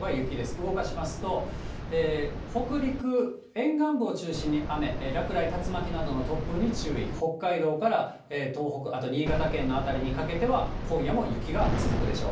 動かしますと、北陸、沿岸部を中心に雨、落雷、竜巻などの突風に注意、北海道から東北、あと新潟県の辺りにかけては、今夜も雪が続くでしょう。